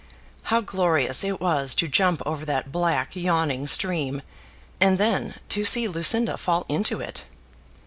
How glorious it was to jump over that black, yawning stream, and then to see Lucinda fall into it!